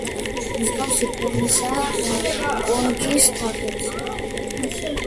მსგავსი ფორმისაა კონქის თაღიც.